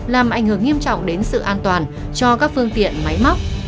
làm ảnh hưởng nghiêm trọng đến sự an toàn cho các phương tiện máy móc